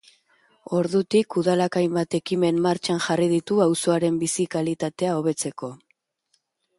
Ordutik, udalak hainbat ekimen martxan jarri ditu auzoaren bizi-kalitatea hobetzeko.